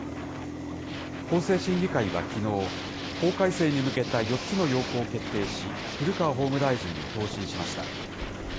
法制審議会はきのう、法改正に向けた４つの要綱を決定し、古川法務大臣に答申しました。